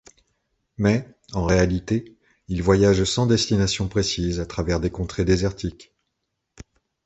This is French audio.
Mais, en réalité, ils voyagent sans destination précise à travers des contrées désertiques.